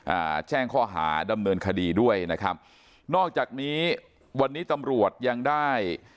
อ่าแจ้งข้อหาดำเนินคดีด้วยนะครับนอกจากนี้วันนี้ตำรวจยังได้